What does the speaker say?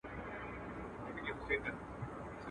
هم قاري سو هم یې ټول قرآن په یاد کړ.